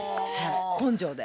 根性で。